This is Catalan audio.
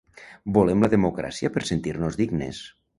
Volem la democràcia per sentir-nos dignes.